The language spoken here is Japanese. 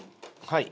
はい。